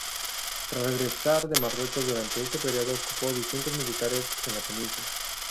Tras regresar de Marruecos, durante este periodo ocupó destinos militares en la península.